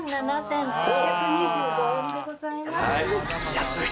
安い。